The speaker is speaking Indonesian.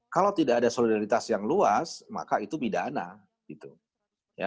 kalau tidak ada solidaritas yang luas maka itu pidana gitu